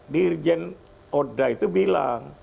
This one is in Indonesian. dirjen oda itu bilang